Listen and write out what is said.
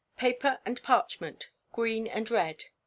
Paper and Parchment. Green and _Red.